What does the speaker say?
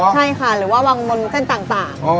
ใช่ค่ะหรือว่าวางบนเส้นต่าง